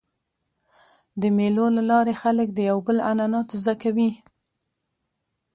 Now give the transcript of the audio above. د مېلو له لاري خلک د یو بل عنعنات زده کوي.